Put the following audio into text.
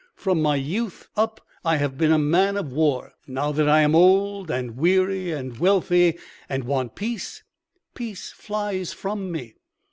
From my youth up I have been a man of war; and now that I am old and weary and wealthy, and want peace, peace flies from me.